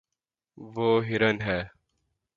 وہ ہرن ہے